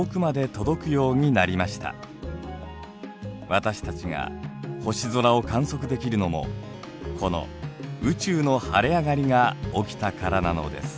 私たちが星空を観測できるのもこの宇宙の晴れ上がりが起きたからなのです。